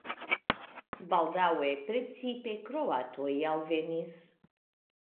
Baldaŭe precipe kroatoj alvenis.